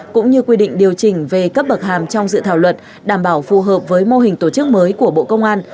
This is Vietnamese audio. cũng như quy định điều chỉnh về cấp bậc hàm trong dự thảo luật đảm bảo phù hợp với mô hình tổ chức mới của bộ công an